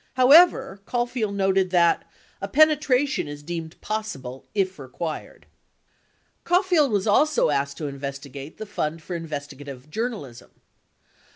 However, Caulfield noted that "a penetration is deemed possible if required." 80 Caulfield was also asked to investigate the Fund for Investigative Journalism.